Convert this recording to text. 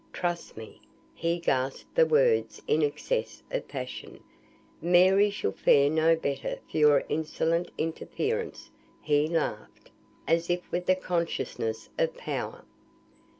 Trust me," he gasped the words in excess of passion, "Mary shall fare no better for your insolent interference." He laughed, as if with the consciousness of power.